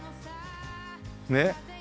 ねっ。